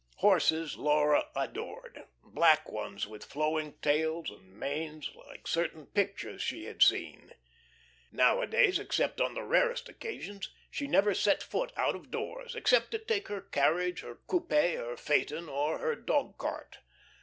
Horses Laura adored black ones with flowing tails and manes, like certain pictures she had seen. Nowadays, except on the rarest occasions, she never set foot out of doors, except to take her carriage, her coupe, her phaeton, or her dog cart.